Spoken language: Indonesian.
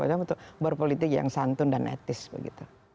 buat politik yang santun dan etis begitu